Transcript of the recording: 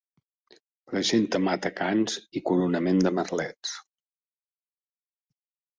Presenta matacans i coronament de merlets.